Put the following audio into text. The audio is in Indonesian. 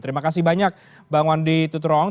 terima kasih banyak bang wandi tutrong